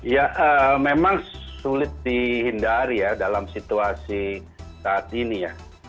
ya memang sulit dihindari ya dalam situasi saat ini ya